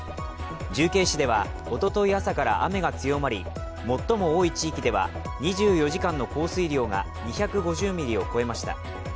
重慶市ではおととい朝から雨が強まり、最も多い地域では２４時間の降水量が２５０ミリを超えました。